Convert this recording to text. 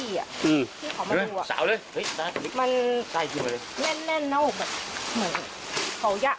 พี่เขามาดูมันแน่นแล้วผมแบบเหมือน